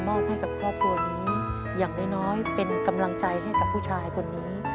ให้กับครอบครัวนี้อย่างน้อยเป็นกำลังใจให้กับผู้ชายคนนี้